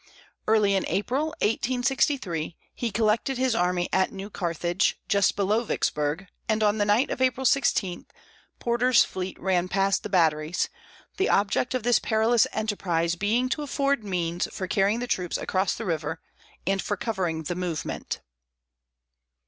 Early in April, 1863, he collected his army at New Carthage, just below Vicksburg, and on the night of April 16, Porter's fleet ran past the batteries, the object of this perilous enterprise being to afford means for carrying the troops across the river and for covering the movement.